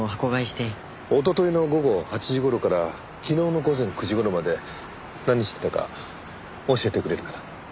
一昨日の午後８時頃から昨日の午前９時頃まで何してたか教えてくれるかな？